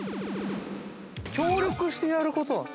◆協力してやること？